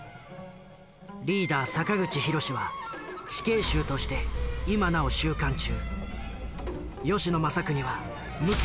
リーダー坂口弘は死刑囚として今なお収監中。